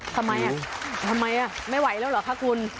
ทำไมเนี่ยไม่ไหวแล้วหรอค่ะคุณ